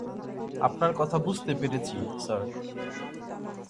আপনার কথা বুঝতে পেরেছি, স্যার।